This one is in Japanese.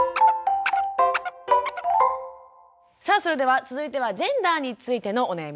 さあそれでは続いてはジェンダーについてのお悩みです。